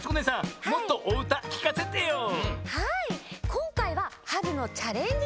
こんかいは「春のチャレンジ！